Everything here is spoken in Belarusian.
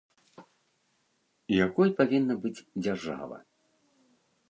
Якой павінна быць дзяржава?